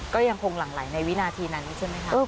ก็ยังคงหลั่งไหลในวินาทีนั้นใช่ไหมคะ